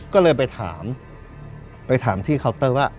ก็เลยไปถามไปถามที่เคาน์เตอร์ว่า